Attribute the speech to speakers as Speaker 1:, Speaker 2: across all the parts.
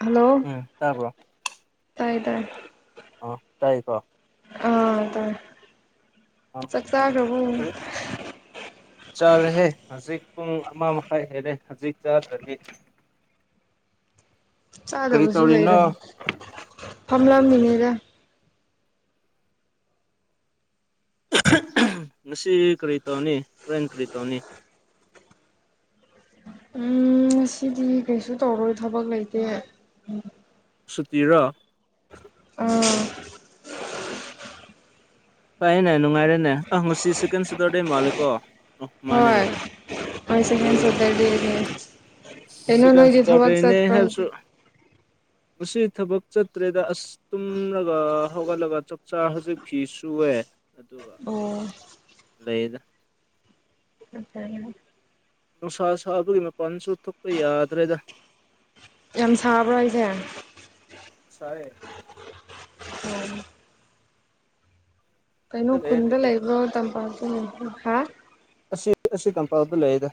Speaker 1: Hello
Speaker 2: ꯎꯝ ꯇꯥꯕ꯭ꯔꯣ
Speaker 1: ꯇꯥꯏ ꯇꯥꯏ
Speaker 2: ꯑꯣ ꯇꯥꯏꯀꯣ
Speaker 1: ꯑꯥ ꯇꯥꯏ
Speaker 2: ꯑꯥ
Speaker 1: ꯆꯥꯛ ꯆꯥꯥꯒ꯭ꯔꯕꯣ
Speaker 2: ꯀꯔꯤ ꯆꯥꯔꯦꯍꯦ ꯍꯧꯖꯤꯛ ꯄꯨꯡ ꯑꯃꯥ ꯃꯈꯥꯏ ꯍꯦꯜꯂꯦ ꯍꯧꯖꯤꯛ ꯆꯥꯗ꯭ꯔꯗꯤ
Speaker 1: [inaudible]
Speaker 2: ꯀꯔꯤ
Speaker 1: ꯆꯥꯗꯕꯁꯨ
Speaker 2: ꯇꯧꯔꯤꯅꯣ
Speaker 1: ꯂꯩꯔꯣꯏ ꯐꯝꯂꯝꯃꯤꯅꯤꯗ
Speaker 2: ꯉꯁꯤ ꯀꯔꯤ ꯇꯧꯅꯤ ꯍꯣꯔꯦꯟ ꯀꯔꯤ ꯇꯧꯅꯤ
Speaker 1: ꯎꯝ ꯉꯁꯤꯗꯤ ꯀꯩꯁꯨ ꯇꯧꯔꯣꯏ ꯊꯕꯛ ꯂꯩꯇꯦ
Speaker 2: ꯁꯨꯇꯤꯔꯣ
Speaker 1: ꯑ
Speaker 2: ꯐꯩꯌꯦꯅꯦ ꯅꯨꯡꯉꯥꯏꯔꯦꯅꯦ ꯑꯥ ꯉꯁꯤ ꯁꯦꯀꯦꯟ ꯁꯇꯔꯗꯦ ꯃꯥꯂꯦꯀꯣ
Speaker 1: ꯍꯣꯏ ꯍꯣꯏ ꯁꯦꯀꯦꯟ ꯁꯇꯔꯗꯦꯅꯦ ꯀꯩꯅꯣ
Speaker 2: ꯁꯦꯀꯦꯟ
Speaker 1: ꯅꯣꯏꯗꯤ ꯊꯕꯛ
Speaker 2: ꯁꯦꯇꯔꯗꯦꯅꯦ
Speaker 1: ꯆꯠꯄ꯭ꯔꯣ ꯍꯥꯏꯖꯦ
Speaker 2: ꯃꯁꯤ ꯊꯕꯛ ꯆꯠꯇ꯭ꯔꯦꯗ ꯑꯁ ꯇꯨꯝꯔꯒ ꯍꯧꯒꯠꯂꯒ ꯆꯛ ꯆꯥ ꯍꯧꯖꯤꯛ ꯐꯤ ꯁꯨꯏꯑꯦ ꯑꯗꯨꯒ
Speaker 1: ꯑꯣ
Speaker 2: ꯂꯩꯌꯦꯗ
Speaker 1: [inaudible]
Speaker 2: ꯅꯨꯡꯁꯥ ꯁꯥꯕꯒꯤ ꯃꯄꯥꯟꯁꯨ ꯊꯣꯛꯄ ꯌꯥꯗ꯭ꯔꯦꯗ
Speaker 1: ꯌꯥꯝ ꯁꯥꯕ꯭ꯔꯣ ꯍꯥꯏꯖꯦ
Speaker 2: ꯁꯥꯏꯌꯦ
Speaker 1: [unintelligible] ꯀꯩꯅꯣ
Speaker 2: ꯂꯩꯌꯦ
Speaker 1: ꯈꯨꯟꯗ
Speaker 2: ꯅꯣꯏꯗꯤ
Speaker 1: ꯂꯩꯕ꯭ꯔꯣ ꯇꯝꯄꯥꯛꯗ ꯂꯩꯕ꯭ꯔꯣ ꯍꯥ
Speaker 2: ꯑꯁꯤ ꯑꯁꯤ ꯇꯝꯄꯥꯛꯇ ꯂꯩꯌꯦꯗ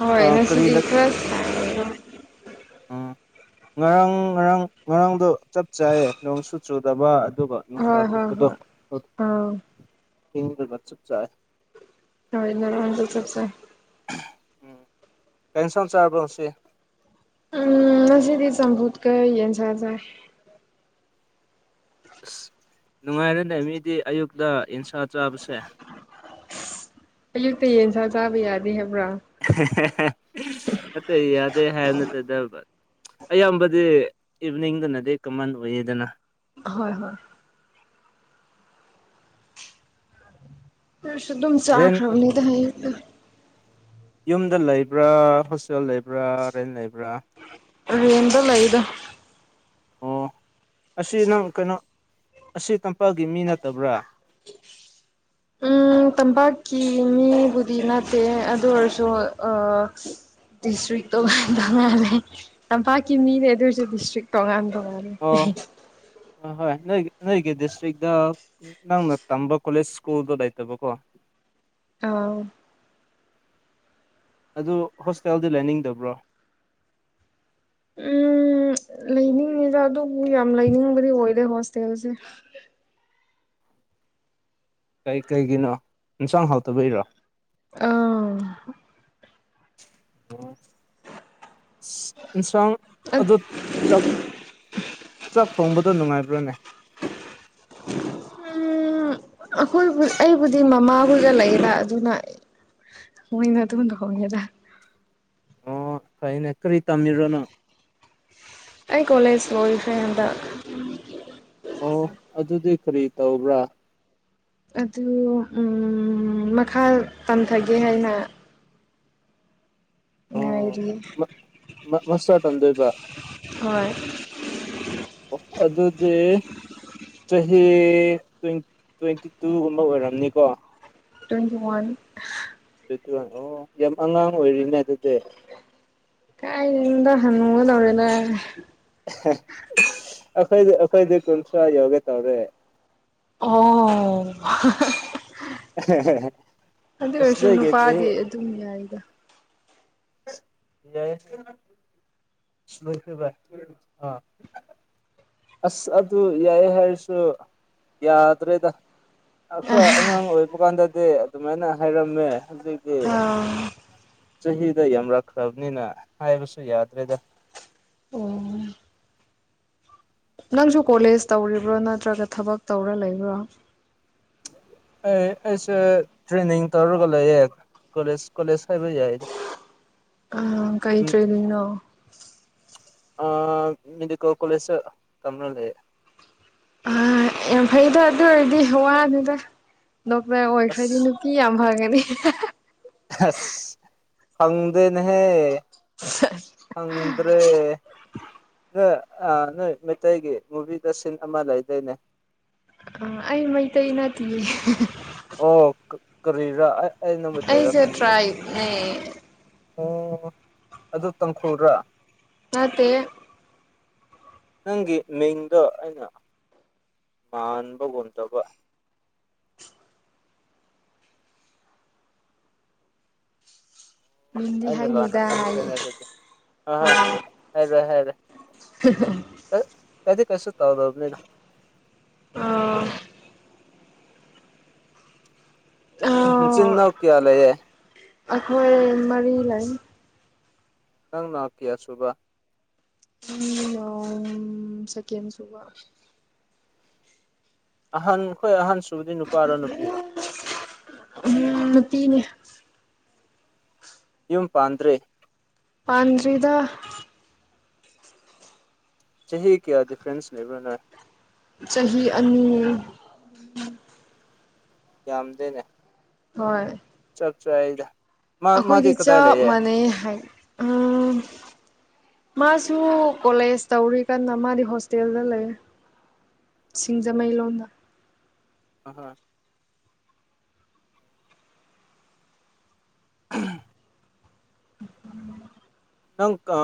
Speaker 1: ꯑꯣ ꯍꯣꯏ
Speaker 2: ꯀꯔꯤ
Speaker 1: ꯉꯁꯤꯗꯤ ꯈꯔ ꯁꯥꯏ ꯍꯣꯏ
Speaker 2: ꯎꯝ ꯉꯔꯥꯡ ꯉꯔꯥꯡ ꯉꯔꯥꯡꯗꯣ ꯆꯞ ꯆꯥꯌꯦ ꯅꯣꯡꯁꯨꯨ ꯆꯨꯗꯕ ꯑꯗꯨꯒ ꯅꯨꯡꯁꯥ
Speaker 1: ꯍꯣꯏ
Speaker 2: ꯊꯣꯛꯄꯗꯣ
Speaker 1: ꯍꯣꯏ ꯑꯥ
Speaker 2: ꯏꯪꯔꯒ ꯆꯞ ꯆꯥꯏ
Speaker 1: ꯍꯣꯏ ꯉꯔꯥꯡꯗꯣ ꯆꯞ ꯆꯥꯏ
Speaker 2: ꯎꯝ ꯀꯩꯩ ꯏꯟꯁꯥꯡ ꯆꯥꯔꯕꯣ ꯉꯁꯤ
Speaker 1: ꯎꯝ ꯉꯁꯤꯗꯤ ꯆꯝꯐꯨꯠꯀ ꯌꯦꯟꯁꯥ ꯆꯥꯏ
Speaker 2: ꯑꯁ ꯅꯨꯡꯉꯥꯏꯔꯦꯅꯦ ꯃꯤꯗꯤ ꯑꯌꯨꯛꯇ ꯌꯦꯟꯁꯥ ꯆꯥꯕꯁꯦ
Speaker 1: ꯑꯌꯨꯛꯇ ꯌꯦꯟꯁꯥ ꯆꯥꯕ ꯌꯥꯗꯦ ꯍꯥꯏꯕ꯭ꯔꯥ
Speaker 2: ꯅꯠꯇꯦ ꯌꯥꯗꯦ ꯍꯥꯏꯕ ꯅꯠꯇꯦꯗ ꯑꯌꯥꯝꯕꯗꯤ ꯏꯚꯤꯅꯤꯡꯗꯅꯗꯤ ꯀꯃꯟ ꯑꯣꯏꯌꯦꯗꯅ
Speaker 1: ꯍꯣꯏ ꯍꯣꯏ ꯅ꯭ꯔꯁꯨ ꯑꯗꯨꯝ
Speaker 2: ꯔꯦꯟ
Speaker 1: ꯆꯥꯈ꯭ꯔꯝꯅꯤꯗ ꯍꯌꯨꯛꯇꯨ
Speaker 2: ꯌꯨꯝꯗ ꯂꯩꯕ꯭ꯔꯥ ꯍꯣꯁꯇꯦꯜ ꯂꯩꯕ꯭ꯔꯥ ꯔꯦꯟ ꯂꯩꯕ꯭ꯔꯥ
Speaker 1: ꯔꯦꯟꯗ ꯂꯩꯗ
Speaker 2: ꯑꯣ ꯑꯣ ꯑꯁꯤ ꯅꯪ ꯀꯩꯅꯣ ꯑꯁꯤ ꯇꯝꯄꯥꯛꯒꯤ ꯃꯤ ꯅꯠꯇꯕ꯭ꯔꯥ
Speaker 1: ꯎꯝ ꯇꯝꯄꯥꯛꯀꯤ ꯃꯤꯕꯨꯗꯤ ꯅꯠꯇꯦ ꯑꯗꯨ ꯑꯣꯏꯔꯁꯨ ꯑꯥ ꯗꯤꯁꯇ꯭ꯔꯤꯛꯇꯣ ꯇꯣꯉꯥꯜꯂꯦ ꯇꯝꯄꯥꯛꯀꯤ ꯃꯤꯅꯦ ꯑꯗꯨ ꯑꯣꯏꯔꯁꯨ ꯗꯤꯁꯇ꯭ꯔꯤꯛ ꯇꯣꯉꯥꯟ ꯇꯣꯉꯥꯟ
Speaker 2: ꯑꯣ ꯍꯣꯏ ꯍꯣꯏ ꯅꯣꯏ ꯅꯣꯏꯒꯤ ꯗꯤꯁꯇ꯭ꯔꯤꯛꯇ ꯅꯪꯅ ꯇꯝꯕ ꯀꯣꯖꯦꯁ ꯁꯀꯨꯜꯗꯣ ꯂꯩꯇꯕꯀꯣ
Speaker 1: ꯑꯥ
Speaker 2: ꯑꯗꯨ ꯍꯣꯁꯄꯤꯇꯥꯜꯗꯤ ꯂꯩꯅꯤꯡꯗꯕ꯭ꯔꯣ
Speaker 1: ꯎꯝ ꯂꯩꯅꯤꯡꯉꯤꯗ ꯑꯗꯨꯕꯨ ꯌꯥꯝ ꯂꯩꯅꯤꯡꯕꯗꯤ ꯑꯣꯏꯗꯦ ꯍꯣꯁꯇꯦꯜꯁꯦ
Speaker 2: ꯀꯩ ꯀꯩꯒꯤꯅꯣ ꯏꯟꯁꯥꯡ ꯍꯥꯎꯇꯕꯒꯤꯔꯣ
Speaker 1: ꯑꯥ
Speaker 2: ꯏꯟꯁꯥꯡ ꯑꯗꯨ ꯆꯛ ꯆꯥꯛ ꯊꯣꯡꯕꯗꯣ ꯅꯨꯡꯉꯥꯏꯕ꯭ꯔꯥꯅꯦ
Speaker 1: ꯎꯝ ꯑꯩꯈꯣꯏꯕꯨ ꯑꯩꯕꯨꯗꯤ ꯃꯃꯥꯍꯣꯏꯒ ꯂꯩꯌꯦꯕ ꯑꯗꯨꯅ ꯃꯣꯏꯅ ꯑꯗꯨꯝ ꯊꯣꯡꯉꯦꯗ
Speaker 2: ꯑꯣ ꯐꯩꯅꯦ ꯀꯔꯤ ꯇꯝꯃꯤꯔꯣ ꯅꯪ
Speaker 1: ꯑꯩ ꯀꯣꯂꯦꯖ ꯂꯣꯏꯈ꯭ꯔꯔꯦ ꯍꯟꯗꯛ
Speaker 2: ꯑꯣ ꯑꯗꯨꯗꯤ ꯀꯔꯤ ꯇꯧꯕ꯭ꯔꯥ
Speaker 1: ꯑꯗꯨ ꯎꯝ ꯃꯈꯥ ꯇꯝꯊꯒꯦ ꯍꯥꯏꯅ
Speaker 2: ꯑꯣ
Speaker 1: ꯉꯥꯏꯔꯤꯌꯦ
Speaker 2: ꯃꯥꯁꯇꯔ ꯇꯝꯗꯣꯏꯕ
Speaker 1: ꯍꯣꯏ
Speaker 2: ꯑꯣ ꯑꯗꯨꯗꯤ ꯆꯍꯤ ꯇ꯭ꯋꯦꯟꯇꯤꯇꯨꯒꯨꯝꯕ ꯑꯣꯏꯔꯝꯅꯤꯀꯣ
Speaker 1: ꯇ꯭ꯋꯦꯟꯇꯤ ꯋꯥꯟ
Speaker 2: ꯇ꯭ꯋꯦꯟꯇꯤꯋꯥꯟ ꯑꯣ ꯌꯥꯝ ꯑꯉꯥꯡ ꯑꯣꯏꯔꯤꯅꯦ ꯑꯗꯨꯗꯤ
Speaker 1: ꯀꯥꯏꯗꯩꯅꯣꯗ ꯍꯥꯅꯨꯒꯗꯧꯔꯦꯗ
Speaker 2: ꯑꯈꯣꯏ ꯑꯈꯣꯏꯗꯤ ꯀꯨꯟꯊ꯭ꯔꯥ ꯌꯣꯒꯦ ꯇꯧꯔꯦ
Speaker 1: ꯑꯣ ꯍꯥ ꯍꯥ ꯑꯗꯨ ꯑꯣꯏꯔꯁꯨ
Speaker 2: ꯃꯁꯤꯗꯒꯤ ꯆꯍꯤ
Speaker 1: ꯅꯨꯄꯥꯗꯤ ꯑꯗꯨꯝ ꯌꯥꯏꯗꯥ
Speaker 2: ꯌꯥꯏꯌꯦ ꯂꯣꯏꯈ꯭ꯔꯦ ꯕꯥꯏ ꯑꯥ ꯑꯁ ꯑꯗꯨ ꯌꯦꯏꯌꯦ ꯍꯥꯏꯔꯁꯨ ꯌꯥꯗ꯭ꯔꯦꯗ ꯑꯩꯈꯣꯏ ꯑꯉꯥꯡ ꯑꯣꯏꯕ ꯀꯥꯟꯗꯗꯤ ꯑꯗꯨꯃꯥꯏꯅ ꯍꯥꯏꯔꯝꯃꯦ ꯍꯧꯖꯤꯛ
Speaker 1: ꯑꯥ
Speaker 2: ꯆꯍꯤꯗ ꯌꯥꯝ ꯂꯛꯈ꯭ꯔꯕꯅꯤꯅ ꯍꯥꯏꯕꯁꯨ ꯌꯥꯗ꯭ꯔꯦꯗ
Speaker 1: ꯅꯪꯁꯨ ꯀꯣꯂꯦꯖ ꯇꯧꯔꯤꯕ꯭ꯔꯣ ꯅꯠꯇ꯭ꯔꯒ ꯊꯕꯛ ꯇꯧꯔ ꯂꯩꯕ꯭ꯔꯣ
Speaker 2: ꯑꯦ ꯑꯩꯁꯦ ꯇ꯭ꯔꯦꯅꯤꯡ ꯇꯧꯔꯒ ꯂꯩꯌꯦ ꯀꯣꯂꯦꯖ ꯀꯣꯂꯦꯖ ꯍꯥꯏꯕ ꯌꯥꯏꯗ
Speaker 1: ꯑꯥ ꯀꯩ ꯇ꯭ꯔꯦꯅꯤꯡ ꯅꯣ
Speaker 2: ꯑꯥ ꯃꯤꯗꯤꯀꯦꯜ ꯀꯣꯂꯦꯁꯇ ꯇꯝꯔ ꯂꯩꯌꯦ
Speaker 1: ꯑꯥ ꯌꯥꯝ ꯐꯩꯗꯥ ꯑꯗꯨ ꯑꯣꯏꯔꯗꯤ ꯋꯥꯅꯨꯗ ꯗꯣꯛꯇ꯭ꯔ ꯑꯣꯏꯈ꯭ꯔꯗꯤ
Speaker 2: ꯑꯁ
Speaker 1: ꯅꯨꯄꯤ ꯌꯥꯝ ꯐꯒꯅꯤ
Speaker 2: ꯑꯁ ꯐꯪꯗꯦꯅꯦꯍꯦ
Speaker 1: ꯁꯦꯁ
Speaker 2: ꯐꯪꯗ꯭ꯔꯦ ꯅꯣꯏ ꯑ ꯅꯣꯏ ꯃꯩꯇꯩꯒꯤ ꯃꯨꯚꯤꯗ ꯁꯤꯟ ꯑꯃ ꯂꯩꯗꯥꯏꯅꯦ
Speaker 1: ꯑꯩ ꯃꯩꯇꯩ ꯅꯠꯇꯤꯌꯦ
Speaker 2: ꯑꯣ ꯀꯔꯤꯔ ꯑꯩ ꯃꯩꯇꯩꯔ
Speaker 1: ꯑꯩꯁꯦ
Speaker 2: ꯈꯟꯕꯅꯦ
Speaker 1: ꯇ꯭ꯔꯥꯏꯕꯅꯦ
Speaker 2: ꯑꯣ ꯑꯗꯨ ꯇꯥꯡꯈꯨꯜꯔꯥ
Speaker 1: ꯅꯠꯇꯤꯌꯦ
Speaker 2: ꯅꯪꯒꯤ ꯃꯤꯡꯗꯣ ꯑꯩꯅ ꯃꯥꯟꯕꯒꯨꯝ ꯇꯧꯕ
Speaker 1: ꯃꯤꯡꯗꯤ
Speaker 2: ꯑꯩꯅ ꯂꯥꯟꯅ
Speaker 1: ꯍꯥꯏꯅꯨꯨꯗꯥꯥ
Speaker 2: ꯈꯟꯈ꯭ꯔꯦꯅꯦ ꯑꯗꯨꯗꯤ ꯍꯣꯏ ꯍꯣꯏ
Speaker 1: ꯍꯥꯏꯑꯦ
Speaker 2: ꯍꯥꯏꯔꯦ ꯍꯥꯏꯔꯦ
Speaker 1: [unintelligible] [unintelligible]
Speaker 2: [unintelligible] ꯀꯩꯗꯤ ꯀꯩꯁꯨ ꯇꯧꯗꯕꯅꯤꯗ
Speaker 1: ꯑꯥ ꯑꯥ
Speaker 2: ꯅꯆꯤꯟ ꯅꯥꯎ ꯀꯌꯥ ꯂꯦꯌꯦ
Speaker 1: ꯑꯩꯈꯣꯏ ꯃꯔꯤ ꯂꯩ
Speaker 2: ꯅꯪꯅ ꯀꯌꯥꯁꯨꯕ
Speaker 1: ꯑꯩꯅꯥ ꯁꯦꯀꯦꯟ ꯁꯨꯕ
Speaker 2: ꯑꯍꯟ ꯈꯣꯏ ꯑꯍꯟꯁꯨꯨꯕꯗꯤ ꯅꯨꯄꯥꯔ ꯅꯨꯄꯤꯔ
Speaker 1: ꯎꯝ ꯅꯨꯄꯤꯅꯦ
Speaker 2: ꯌꯨꯝ ꯄꯥꯟꯗ꯭ꯔꯤ
Speaker 1: ꯄꯥꯟꯗ꯭ꯔꯤꯗ
Speaker 2: ꯆꯍꯤ ꯀꯌꯥ ꯗꯤꯐ꯭ꯔꯦꯟꯁ ꯂꯩꯕ꯭ꯔ ꯅꯣꯏ
Speaker 1: ꯆꯍꯤ ꯑꯅꯤ
Speaker 2: ꯌꯥꯝꯗꯦꯅꯦ
Speaker 1: ꯍꯣꯏ
Speaker 2: ꯆꯞ ꯆꯥꯏꯗ ꯃꯥ ꯃꯥꯗꯤ
Speaker 1: ꯑꯈꯣꯏꯗꯤ
Speaker 2: ꯀꯗꯥꯏ
Speaker 1: ꯆꯞ
Speaker 2: ꯂꯩꯌꯦ
Speaker 1: ꯃꯥꯟꯅꯩ ꯑꯦ ꯍꯥꯏ [unintelligible] ꯃꯥꯁꯨ ꯀꯣꯂꯦꯖ ꯇꯧꯔꯤ ꯀꯟꯅ ꯃꯥꯗꯤ ꯍꯣꯁꯇꯦꯜꯗ ꯂꯩ ꯁꯤꯡꯖꯃꯩ ꯂꯣꯝꯗ
Speaker 2: ꯍ ꯍ [unintelligible] ꯅꯪ ꯑ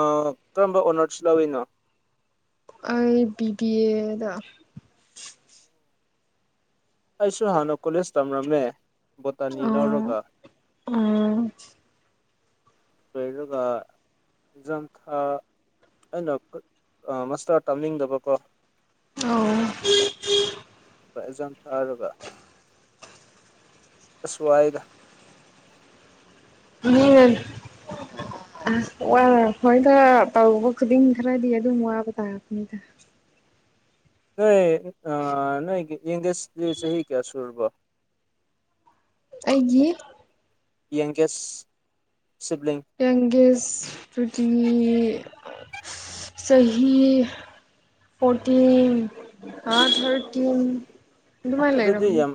Speaker 2: ꯀꯔꯝꯕ ꯑꯣꯅꯔꯁ ꯂꯧꯔꯤꯅꯣ
Speaker 1: ꯑꯩ ꯕꯤ ꯕꯤ ꯑꯦꯗ
Speaker 2: ꯑꯩꯁꯨ ꯍꯥꯟꯅ ꯀꯣꯂꯦꯖ ꯇꯝꯂꯝꯃꯦ ꯚꯣꯇꯅꯤ
Speaker 1: ꯑꯣ
Speaker 2: ꯂꯧꯔꯒ
Speaker 1: ꯎꯝ
Speaker 2: ꯂꯩꯔꯒ ꯑꯦꯛꯖꯥꯝ ꯊꯥ ꯑꯩꯅ ꯑ ꯃꯥꯁꯇꯔ ꯇꯝꯅꯤꯡꯗꯕꯀꯣ
Speaker 1: ꯑꯧ [unintelligible]
Speaker 2: [unintelligible] ꯑꯦꯖꯥꯝ ꯊꯥꯔꯒ ꯑꯁ ꯋꯥꯏꯗ
Speaker 1: ꯃꯤꯅ [unintelligible] ꯑꯁ ꯋꯥꯔ ꯍꯣꯏꯗ ꯇꯧꯕ ꯈꯨꯗꯤꯡ ꯈꯔꯗꯤ ꯑꯗꯨꯝ ꯋꯥꯕ ꯇꯥꯕꯅꯤꯗ
Speaker 2: ꯅꯣꯏ ꯑ ꯅꯣꯏꯒꯤ ꯌꯡꯒꯦꯁꯗꯤ ꯆꯍꯤ ꯀꯌꯥ ꯁꯨꯔꯕ
Speaker 1: ꯑꯩꯒꯤ
Speaker 2: ꯌꯡꯒꯦꯁ ꯁꯤꯕ꯭ꯂꯤꯡ
Speaker 1: ꯌꯪꯒꯦꯁ ꯇꯨꯗꯤ ꯆꯍꯤ ꯐꯣꯔꯇꯤꯟ ꯑꯥ ꯊꯥꯔꯇꯤꯟ ꯑꯗꯨꯃꯥꯏꯅ
Speaker 2: ꯑꯗꯨꯗꯤ
Speaker 1: ꯂꯩꯔꯝꯅꯤ
Speaker 2: ꯌꯥꯝ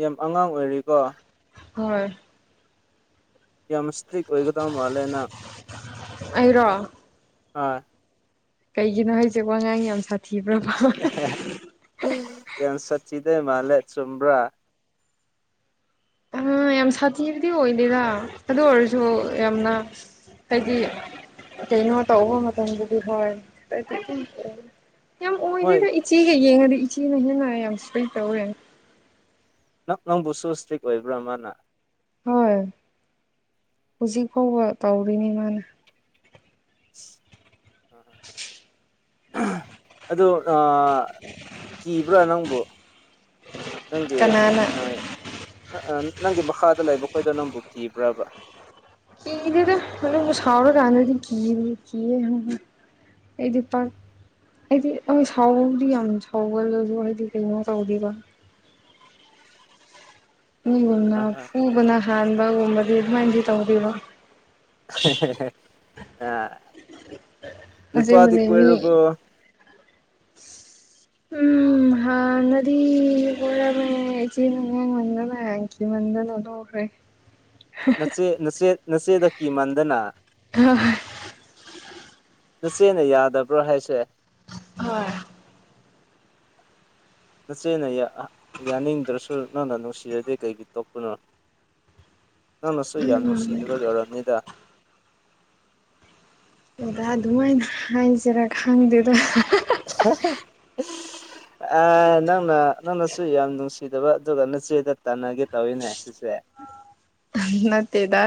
Speaker 2: ꯌꯥꯝ ꯑꯉꯥꯡ ꯑꯣꯏꯔꯤꯀꯣ
Speaker 1: ꯍꯣꯏ
Speaker 2: ꯌꯥꯝꯅ ꯁꯇ꯭ꯔꯤꯛ ꯑꯣꯏꯒꯗꯕ ꯃꯥꯜꯂꯦ ꯅꯪ
Speaker 1: ꯑꯩꯔꯣ
Speaker 2: ꯑꯥ
Speaker 1: ꯀꯩꯒꯤꯅꯣ ꯍꯥꯏꯖꯦ ꯋꯉꯥꯡ ꯌꯥꯝ ꯁꯥꯠ
Speaker 2: [unintelligible] ꯌꯥꯝ ꯁꯥꯊꯤꯗꫭꯏ ꯃꯥꯜꯂꯦ ꯆꯨꯝꯕ꯭ꯔ
Speaker 1: ꯍꫭꯏ ꯌꯥꯝ ꯁꯥꯊꯤꯕꯗꯤ ꯑꯣꯏꯗꯦꯗ ꯑꯗꯨ ꯑꯣꯏꯔꯁꯨ ꯌꯥꯝꯅ ꯍꯥꯏꯗꯤ ꯀꯩꯅꯣ ꯇꯧꯕ ꯃꯇꯝꯗꯗꯤ ꯍꯣꯏ [unintelligible] [inaudible] ꯌꯥꯝ
Speaker 2: ꯃꯣꯏ
Speaker 1: ꯑꯣꯏꯗꯦꯗ ꯏꯆꯦꯒ ꯌꯦꯡꯉꯗꯤ ꯏꯆꯦꯅ ꯍꯦꯟꯅ ꯌꯥꯝ ꯁꯇ꯭ꯔꯤꯛ ꯇꯧꯔꯦ
Speaker 2: ꯅꯪ ꯅꯪꯕꯨꯁꯨ ꯁꯇ꯭ꯔꯤꯛ ꯑꯣꯏꯕ꯭ꯔ ꯃꯥꯅ
Speaker 1: ꯍꯣꯏ ꯍꯧꯖꯤꯛ ꯐꯥꯎꯕ ꯇꯧꯔꯤꯅꯤ ꯃꯥꯅ
Speaker 2: [unintelligible] ꯑꯗꯣ ꯑꯥ ꯑ ꯀꯤꯕ꯭ꯔ ꯅꯪꯕꯨ ꯅꯪꯒꯤ
Speaker 1: ꯀꯅꯥꯅ
Speaker 2: ꯑ [unintelligible] ꯅꯪꯒꯤ ꯃꯈꯥꯗ ꯂꯩꯕ ꯈꯣꯏꯗꯣ ꯅꯪꯕꯨ ꯀꯤꯕ꯭ꯔꯕ
Speaker 1: ꯀꯤꯗꯦꯗ ꯑꯗꯨꯕꯨ ꯁꯥꯎꯔ ꯀꯥꯟꯗꯗꯤ ꯀꯤꯝꯅꯤ ꯀꯤꯌꯦ [unintelligible] ꯑꯩꯗꯤ ꯄꯥꯛ ꯑꯩꯗꯤ ꯍꯣꯏ ꯁꯥꯎꯕꯕꯨꯗꯤ ꯌꯥꯝ ꯁꯥꯎꯒꯜꯂꯖꯨ ꯑꯩꯗꯤ ꯀꯩꯅꯣ ꯇꯧꯗꯦꯕ ꯃꯤꯒꯨꯝꯅ ꯐꯨꯕꯅ ꯍꯥꯟꯕꯒꯨꯝꯕꯗꯤ ꯑꯗꯨꯝꯃꯥꯏꯟꯗꯤ ꯇꯧꯗꯦꯕ
Speaker 2: [unintelligible] ꯑꯥ ꯅꯨꯄꯥꯗꯤ
Speaker 1: ꯑꯁꯦꯡꯕꯅꯦ ꯃꯤ
Speaker 2: ꯀꯣꯏꯔꯕꯣ
Speaker 1: ꯎꯝ ꯎꯝ ꯍꯥꯟꯅꯗꯤ ꯀꯣꯏꯔꯝꯃꯦ ꯏꯆꯦꯅ ꯉꯥꯡꯃꯟꯗꯅ ꯀꯤꯃꯟꯗꯅ [unintelligible] ꯇꫭꯛꯈ꯭ꯔꯦ
Speaker 2: ꯅꯆꯦ ꯅꯆꯦ ꯅꯆꯦꯗ ꯀꯤꯃꯟꯗꯅ ꯅꯆꯦꯅ ꯌꯥꯗꯕ꯭ꯔ ꯍꯥꯏꯁꯦ
Speaker 1: ꯍꯣꯏ
Speaker 2: ꯅꯆꯦꯅ ꯌꯥ ꯌꯥꯅꯤꯡꯗ꯭ꯔꯁꯨ ꯅꯪꯅ ꯅꯨꯡꯁꯤꯔꯗꯤ ꯀꯩꯒꯤ ꯇꯣꯛꯄꯅꯣ ꯅꯪꯅꯁꯨ ꯌꯥꯝ
Speaker 1: ꯎꯝ
Speaker 2: ꯅꯨꯡꯁꯤꯗꯕꯒꯤ ꯑꯣꯏꯔꯝꯅꯤꯗ
Speaker 1: [unintelligible] ꯑꯗꯨꯝꯃꯥꯏꯅ ꯍꯥꯏꯁꯤꯔ ꯈꯪꯗꯦꯗ [unintelligible]
Speaker 2: [unintelligible] ꯑꯥ ꯅꯪꯅ ꯅꯪꯅꯁꯨ ꯌꯥꯝ ꯅꯨꯡꯁꯤꯗꯕ ꯑꯗꯨꯒ ꯅꯆꯦꯗ ꯇꯥꯟꯅꯒꯦ ꯇꯧꯋꯤꯅꯦ ꯁꯤꯁꯦ
Speaker 1: ꯅꯠꯇꯦꯗ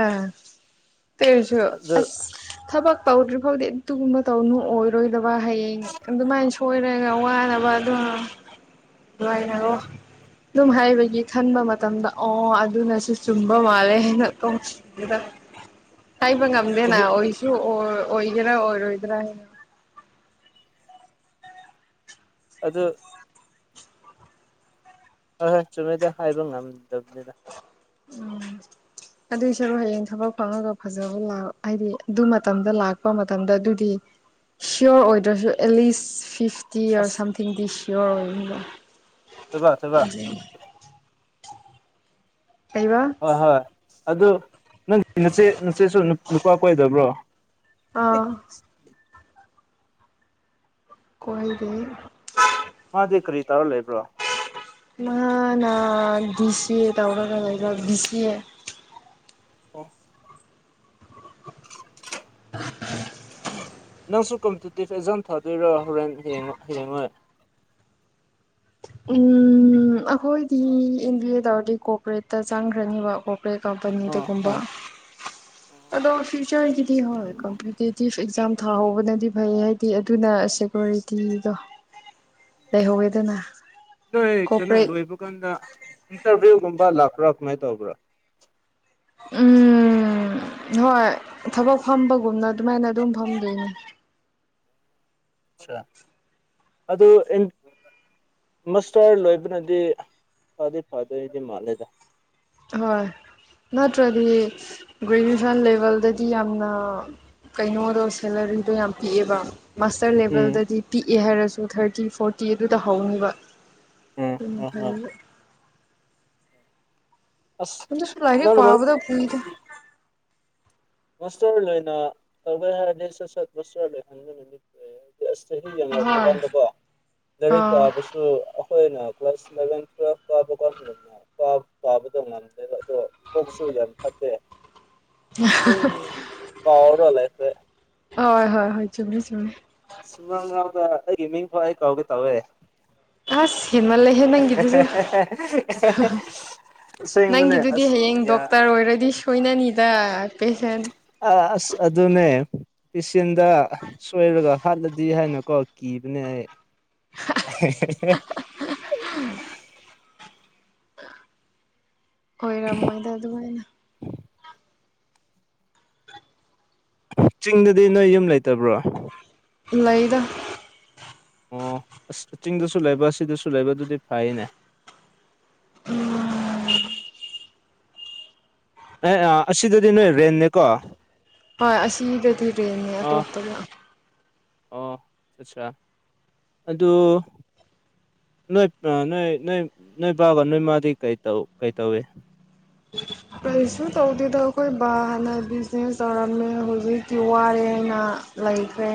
Speaker 1: ꯇꯩꯔꯁꯨ
Speaker 2: ꯑꯗꯨ
Speaker 1: ꯑꯁ ꯊꯕꯛ ꯇꯧꯗ꯭ꯔꯤꯐꯧꯗꯤ ꯑꯗꯨꯒꯨꯝꯕ ꯇꯧꯅꯨ ꯑꯣꯏꯔꯣꯏꯗꯕ ꯍꯌꯦꯡ ꯑꯗꯨꯃꯥꯏꯟ ꯁꯣꯏꯔꯒ ꯋꯥꯅꯕ ꯑꯗꯨꯝ [unintelligible] ꯗꯨꯝ ꯍꯥꯏꯕꯒꯤ ꯈꯟꯕ ꯃꯇꯝꯗ ꯑꯣ ꯑꯗꯨꯅꯁꯨ ꯆꯨꯝꯕ ꯃꯥꯜꯂꯦ [unintelligible] ꯍꯥꯏꯕ ꯉꯝꯗꯦꯅ ꯑꯣꯏꯁ ꯖ [unintelligible] ꯑꯣꯔ ꯑꯣꯏꯒꯦꯔ ꯑꯣꯏꯔꯣꯏꯗ꯭ꯔꯥ ꯍꯥꯏꯅ
Speaker 2: ꯑꯗꯨ ꯍꯣꯏ ꯍꯣꯏ ꯆꯨꯝꯃꯦꯗ ꯍꯥꯏꯕ ꯉꯝꯗꯕꯅꯦꯗ
Speaker 1: ꯎꯝ ꯑꯗꯨꯏ ꯁꯔꯨ ꯍꯌꯦꯡ ꯊꯕꯛ ꯐꯪꯉꯒ ꯐꯖꯕ ꯂꯥꯛ ꯍꯥꯏꯗꯤ ꯗꯨ ꯃꯇꯝꯗ ꯂꯥꯛꯄ ꯃꯇꯝꯗ ꯗꯨꯗꯤ ꯁꯤꯌꯣꯔ ꯑꯣꯏꯗ꯭ꯔꯖꯨ ꯑꯦꯂꯤꯁ ꯐꯤꯐꯇꯤꯔ
Speaker 2: ꯑꯁ
Speaker 1: ꯁꯝꯊꯤꯡꯗꯤ ꯁꯤꯌꯣꯔ ꯑꯣꯏꯔꯅꯤꯕ
Speaker 2: [unintelligible]
Speaker 1: ꯀꯩꯕ
Speaker 2: ꯍꯣꯏ ꯍꯣꯏ ꯑꯗꯨ ꯅꯪ ꯅꯆꯦ ꯅꯆꯦꯁꯨ ꯅꯨꯞ ꯅꯨꯄꯥ ꯀꯣꯏꯗꯕ꯭ꯔꯣ
Speaker 1: ꯑꯥ ꯀꯣꯏꯗꯦ
Speaker 2: ꯃꯥꯗꯤ ꯀꯔꯤ ꯇꯧꯔ ꯂꯩꯕ꯭ꯔꯣ
Speaker 1: ꯃꯥꯅꯥ ꯗꯤ ꯁꯤ ꯑꯦ ꯇꯧꯔꯒ ꯂꯩꯕ ꯕꯤ ꯁꯤ ꯑꯦ
Speaker 2: ꯑꯣ
Speaker 1: [unintelligible]
Speaker 2: ꯅꯪꯁꯨ ꯀꯝꯇꯤꯇꯤꯞ ꯑꯦꯖꯥꯝ ꯊꯥꯗꯣꯏꯔꯣ ꯍꯣꯔꯦꯟ ꯍꯌꯦꯡ ꯍꯌꯦꯡꯋꯥꯏ
Speaker 1: ꯎꯝ ꯑꯈꯣꯏꯗꯤ ꯑꯦꯟꯕꯤꯑꯦ ꯇꯧꯔꯗꯤ ꯀꯣꯄꯔꯦꯠꯇ ꯆꯪꯈ꯭ꯔꯅꯤꯕ ꯒꯣ ꯄ꯭ꯔꯦ
Speaker 2: ꯑꯣ
Speaker 1: ꯀꯝꯄꯅꯤꯗꯒꯨꯝꯕ
Speaker 2: ꯍꯣꯏ
Speaker 1: ꯑꯗꯣ ꯐ꯭ꯌꯨꯆꯔꯒꯤꯗꯤ ꯍꯣꯏ ꯀꯝꯄꯌꯨꯇꯦꯇꯤꯞ ꯑꯦꯛꯖꯥꯝ ꯊꯥꯍꯧꯕꯅꯗꯤ ꯐꯩ ꯍꯥꯏꯗꯤ ꯑꯗꯨꯅ ꯁꯦꯀꯣꯔꯤ ꯇꯤꯗꯣ ꯂꯩꯍꯧꯋꯦꯗꯅ
Speaker 2: ꯅꯣꯏ ꯀꯩꯅꯣ
Speaker 1: ꯀꯣꯔꯄꯣꯔꯦꯠ
Speaker 2: ꯂꯣꯏꯕꯀꯟꯗ ꯏꯟꯇꯔꯚꯤꯌꯨꯒꯨꯝꯕ ꯂꯥꯛꯄ꯭ꯔꯥ ꯀꯃꯥꯏ ꯇꯧꯕ꯭ꯔꯥ
Speaker 1: ꯎꯝ ꯍꯣꯏ ꯊꯕꯛ ꯐꯝꯕꯒꯨꯝꯅ ꯗꯨꯃꯥꯏꯅ ꯑꯗꯨꯝ ꯐꯝꯗꯣꯏꯅꯦ
Speaker 2: ꯆꯥ ꯑꯗꯨ ꯑꯦꯟ ꯃꯁꯇꯔ ꯂꯣꯏꯕꯅꯗꯤ ꯐꯥꯗꯤ ꯐꯥꯗꯣꯏꯗꯤ ꯃꯥꯜꯂꯦꯗ
Speaker 1: ꯍꯣꯏ ꯅꯠꯇ꯭ꯔꯗꯤ ꯒ꯭ꯔꯦꯖꯨꯋꯦꯁꯟ ꯂꯦꯚꯦꯜꯗꯗꯤ ꯌꯥꯝꯅ ꯀꯩꯅꯣꯗꯣ ꯁꯦꯂꯔꯤꯗꯣ ꯌꯥꯝ ꯄꯤꯛꯑꯦꯕ ꯃꯥꯁꯇꯔ
Speaker 2: ꯎꯝ
Speaker 1: ꯂꯦꯚꯦꯜꯗꯗꯤ ꯄꯤꯛꯑꯦ ꯍꯥꯏꯔꯁꯨ ꯊꯥꯔꯇꯤ ꯐꯣꯔꯇꯤ ꯑꯗꯨꯗ ꯍꯧꯅꯤꯕ
Speaker 2: ꯎꯝ
Speaker 1: ꯑꯗꯨꯅ
Speaker 2: ꯎꯝ ꯍꯣꯏ
Speaker 1: ꯐꯩꯑꯕ
Speaker 2: ꯑꯁ
Speaker 1: ꯑꯗꯨꯁꯨ ꯂꯥꯏꯔꯤꯛ
Speaker 2: ꯅꯪꯅ
Speaker 1: ꯄꯥꯕꯗ ꯀꯨꯏꯗ
Speaker 2: ꯃꯁꯇꯔ ꯂꯣꯏꯅ ꯇꯧꯒꯦ ꯍꯥꯏꯔꯗꯤ ꯁꯠ ꯁꯠ ꯃꯁꯇꯔ ꯂꯣꯏꯍꯟꯕ ꯅꯨꯃꯤꯠ ꯑꯣꯏꯌꯦ ꯑꯁ ꯆꯍꯤ ꯌꯦꯡꯔꯛꯄ
Speaker 1: ꯍꯣꯏ
Speaker 2: ꯀꯥꯟꯗꯀꯣ ꯂꯥꯏꯔꯤꯛ
Speaker 1: ꯑꯥ
Speaker 2: ꯄꯥꯕꯁꯨ ꯁꯨ ꯑꯈꯣꯏꯅ ꯀ꯭ꯂꯥꯁ ꯏꯂꯚꯦꯟ ꯇꯨꯋꯦꯜ ꯀꯥꯕ ꯀꯥꯟꯒꯨꯝꯅ ꯄꯥꯕ ꯄꯥꯕꯗꯣ ꯉꯝꯗꯦꯕ ꯑꯗꯣ ꯀꯣꯛꯁꯨ ꯌꯥꯝ ꯐꯠꯇꯦ ꯗꯨꯝ ꯀꯥꯎꯔ ꯂꯩꯈ꯭ꯔꯦ
Speaker 1: ꯑꯣꯏ ꯍꯣꯏ ꯍꯣꯏ ꯆꯨꯝꯃꯤ ꯆꯨꯝꯃꯤ
Speaker 2: ꯁꯨꯃꯥꯡꯔꯥꯎꯗ ꯑꯩꯒꯤ ꯃꯤꯡꯐꯥꯎ ꯑꯩ ꯀꯥꯎꯒꯦ ꯇꯧꯋꯦ
Speaker 1: ꯑꯁ ꯍꯦꯟꯃꯜꯂꯦꯍꯦ ꯅꯪꯒꯤꯗꯨꯖꯨ
Speaker 2: ꯑꯁꯦꯡꯕꯅꯦ
Speaker 1: ꯅꯪꯒꯤꯗꯨꯗꯤ
Speaker 2: ꯑꯁ
Speaker 1: ꯍꯌꯦꯡ
Speaker 2: ꯌꯥ
Speaker 1: ꯗꯣꯛꯇꯔ ꯑꯣꯏꯔꯗꯤ ꯁꯣꯏꯅꯅꯤꯗ ꯄꯦꯁꯦꯟ
Speaker 2: ꯑꯁ ꯑꯗꯨꯅꯦ ꯄꯦꯁꯦꯟꯗ ꯁꯣꯏꯔꯒ ꯍꯥꯠꯂꯗꯤ ꯍꯥꯏꯅꯀꯣ ꯀꯤꯕꯅꯦ ꯑꯩ꯫ [unintelligible]
Speaker 1: ꯑꯣꯏꯔꯝꯃꯣꯏꯗ ꯑꯗꯨꯃꯥꯏꯅ꯫
Speaker 2: ꯆꯤꯡꯗꯗꯤ ꯅꯣꯏ ꯌꯨꯝ ꯂꯩꯇꯕ꯭ꯔꯣ?
Speaker 1: ꯂꯩꯗ꯫
Speaker 2: ꯑꯣ ꯑꯁ ꯆꯤꯡꯗꯁꯨ ꯂꯩꯕ ꯁꯤꯗꯁꯨ ꯂꯩꯕ ꯑꯗꯨꯗꯤ ꯐꯩꯅꯦ꯫
Speaker 1: [unintelligible]
Speaker 2: ꯑꯦ ꯑꯥ ꯑꯁꯤꯗꯗꯤ ꯅꯣꯏ ꯔꯦꯟꯅꯦꯀꯣ꯫
Speaker 1: ꯍꯣꯏ ꯑꯁꯤꯗꯗꯤ ꯔꯦꯟꯅꯦ
Speaker 2: ꯑꯥ
Speaker 1: ꯑꯇꯣꯞꯄꯗ꯫
Speaker 2: ꯑꯣ ꯑꯠꯆꯥ ꯑꯗꯨ, ꯅꯣꯏ ꯅꯣꯏ ꯅꯣꯏ ꯅꯣꯏ ꯕꯥꯕ ꯅꯣꯏ ꯃꯥꯗꯤ ꯀꯩꯇꯧ ꯀꯩ ꯇꯧꯋꯦ?
Speaker 1: ꯀꯔꯤꯁꯨ ꯇꯧꯗꯦꯗ ꯑꯩꯈꯣꯏ ꯕꯥ ꯍꯥꯟꯅ ꯕꯤꯖꯤꯅꯦꯁ ꯇꯧꯔꯝꯃꯦ ꯍꯧꯖꯤꯛꯇꯤ ꯋꯥꯔꯦꯅ, ꯂꯩꯈ꯭ꯔꯦ꯫